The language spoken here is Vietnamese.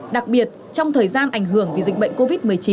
đặc biệt trong thời gian ảnh hưởng vì dịch bệnh covid một mươi chín